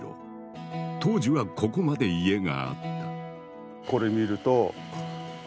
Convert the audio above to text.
当時はここまで家があった。